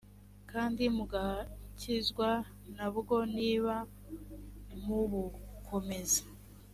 kandi mugakizwa na bwo niba mubukomeza